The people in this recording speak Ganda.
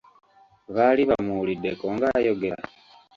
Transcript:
Baali bamuwuliddeko ng'ayogera?